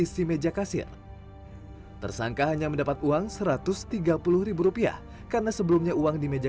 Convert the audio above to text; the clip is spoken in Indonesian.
isi meja kasir tersangka hanya mendapat uang satu ratus tiga puluh rupiah karena sebelumnya uang di meja